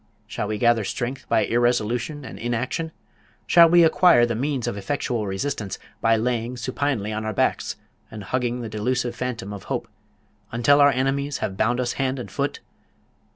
Shall we gather strength by irresolution and inaction? Shall we acquire the means of effectual resistance, by lying supinely on our backs, and hugging the delusive phantom of hope, until our enemies have bound us hand and foot?